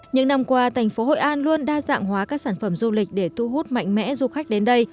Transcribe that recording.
những năm qua thành phố hội an luôn đa dạng hóa các sản phẩm du lịch để thu hút mạnh mẽ du khách đến đây